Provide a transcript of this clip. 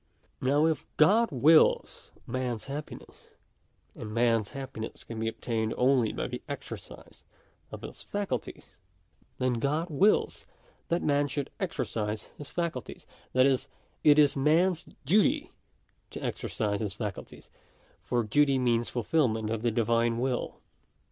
§2 Now if God wills man's* happiness, and man's happiness can be obtained only by the exercise of his faculties, then God wills that man should exercise his faculties ; that is, it is man's duty to exercise his faculties ; for duty means fulfilment of the Divine will.